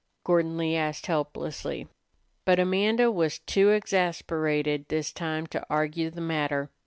Gordon Lee asked helplessly. But Amanda was too exasperated this time to argue the matter.